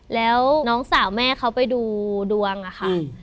แล้วน้องสาวแม่เขาไปดูดวงอะค่ะ